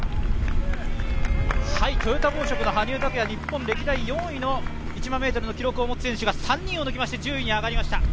トヨタ紡織の羽生拓矢、日本歴代４位の１００００ｍの記録を持つ選手が３人抜きまして１０位に上がりました。